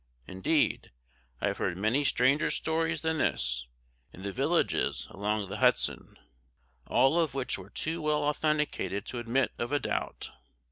Indeed, I have heard many stranger stories than this, in the villages along the Hudson; all of which were too well authenticated to admit of a doubt.